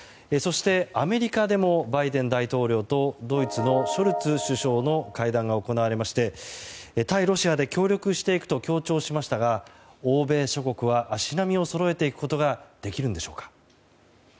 そして、アメリカでもバイデン大統領とドイツのショルツ首相の会談が行われまして対ロシアで協力していくと強調しましたが欧米諸国は足並みをそろえていくことができるんでしょうか。